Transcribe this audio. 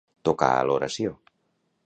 Tocar a l'oració.